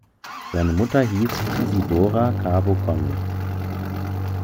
Seine Mutter hieß Isidora Cabo Conde.